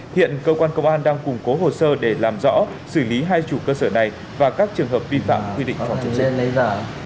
hiện cơ quan công an đang củng cố hồ sơ để làm rõ xử lý hai chủ cơ sở này và các trường hợp vi phạm quy định phòng chống dịch ngay giả